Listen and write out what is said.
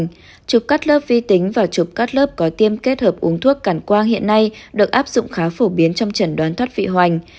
thoát vị hoành chụp cắt lớp vi tính và chụp cắt lớp có tiêm kết hợp uống thuốc cản quang hiện nay được áp dụng khá phổ biến trong chẩn đoán thoát vị hoành